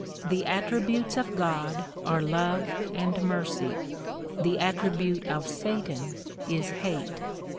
The attributes of God are love and mercy ; the attribute of satan is hate.